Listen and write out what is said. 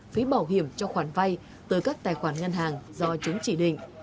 phí bảo hiểm cho khoản vay tới các tài khoản ngân hàng do chúng chỉ định